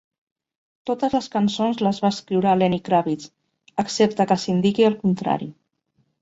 Totes les cançons les va escriure Lenny Kravitz, excepte que s'indiqui el contrari.